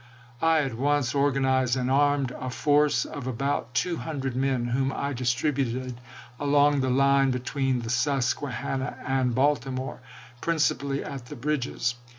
I at once organized and armed a force of about two hun dred men, whom I distributed along the line between the Susquehanna and Baltimore, principally at the bridges.